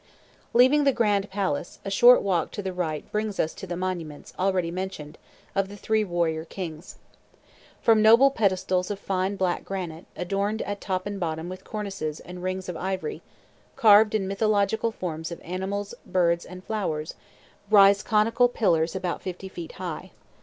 Leaving the Grand Palace, a short walk to the right brings us to the monuments, already mentioned, of the three warrior kings. From noble pedestals of fine black granite, adorned at top and bottom with cornices and rings of ivory, carved in mythological forms of animals, birds, and flowers, rise conical pillars about fifty feet high.